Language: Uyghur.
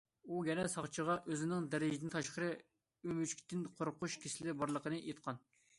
ئۇ يەنە ساقچىغا ئۆزىنىڭ دەرىجىدىن تاشقىرى ئۆمۈچۈكتىن قورقۇش كېسىلى بارلىقىنى ئېيتقان.